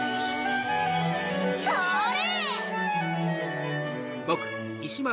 それ！